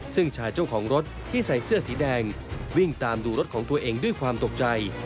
ซึ่งชายเจ้าของรถที่ใส่เสื้อสีแดงวิ่งตามดูรถของตัวเองด้วยความตกใจ